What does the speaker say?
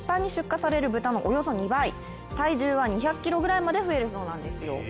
普通のおよそ２倍、体重は２００ｋｇぐらいまで増えるそうなんですよ。